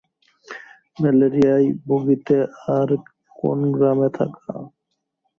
ম্যালেরিয়ায় ভুগিতে আর কেন গ্রামে থাকা?